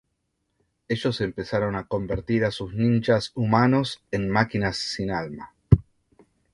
Ellos empezaron a convertir a sus ninjas humanos en máquinas sin alma.